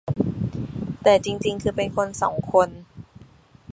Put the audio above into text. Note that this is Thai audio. แต่จริงจริงคือเป็นคนสองคน